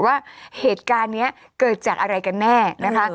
ว่าเหตุการณ์นี้เกิดจากอะไรกันแน่นะคะ